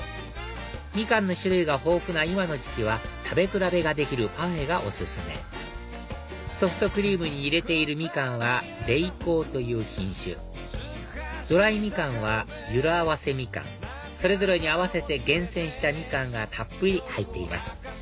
みかんの種類が豊富な今の時期は食べ比べができるパフェがお薦めソフトクリームに入れているみかんは麗紅という品種ドライみかんはゆら早生みかんそれぞれに合わせて厳選したみかんがたっぷり入っています